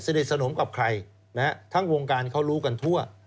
สนิทสนมกับใครนะฮะทั้งวงการเขารู้กันทั่ว